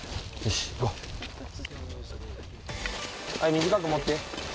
短く持って。